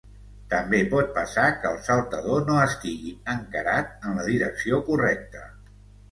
També pot passar que el saltador no estigui encarat en la direcció correcta.